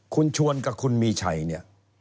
คุณชวนกับคุณมีชัยเนี่ย